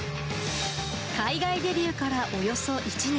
海外デビューからおよそ１年。